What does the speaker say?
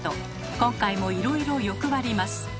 今回もいろいろ欲張ります。